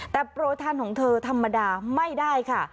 แต่โปรทานของเธอธรรมดาไม่ได้ค่ะ